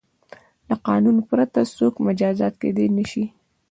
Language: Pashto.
له قانون پرته څوک مجازات کیدای نه شي.